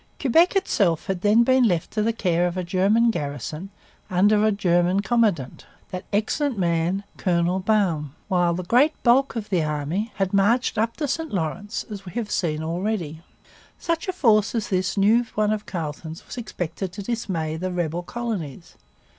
Quebec itself had then been left to the care of a German garrison under a German commandant, 'that excellent man, Colonel Baum,' while the great bulk of the army had marched up the St Lawrence, as we have seen already. Such a force as this new one of Carleton's was expected to dismay the rebel colonies.